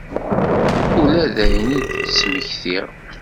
Ula dayen i d-ttmektiɣ.